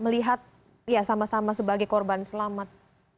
melihat ya sama sama sebagai korban selamat